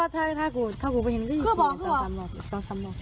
เชียวบอถ้าของกินก็๒๐ตัวนึง